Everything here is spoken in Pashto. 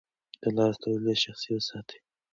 د لاس توليه شخصي وساتئ.